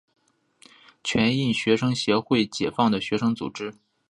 全印学生协会解放的学生组织。